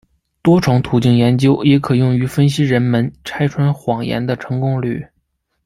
多重途径研究也可用于分析人们拆穿谎言的成功率。